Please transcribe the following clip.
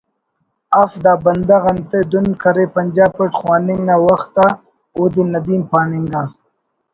if the بندغ انتئے دن کرے پنجاب اٹ خواننگ نا وخت آ اودے ندیم پاننگا‘